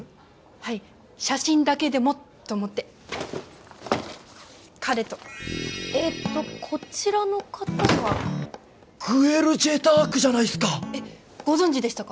はい写真だけでもと思って彼とえーっとこちらの方はグエル・ジェタークじゃないっすかえっご存じでしたか？